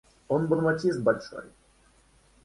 Он бонмотист большой.